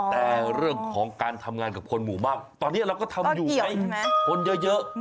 แต่เรื่องของการทำงานกับคนหมู่มากตอนนี้เราก็ทำอยู่ไหมคนเยอะ